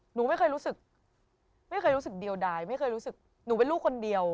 หนูไม่เคยรู้สึกไม่เคยรู้สึกเดียวดายไม่เคยรู้สึกหนูเป็นลูกคนเดียว